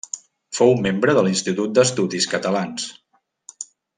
Fou membre de l'Institut d'Estudis Catalans.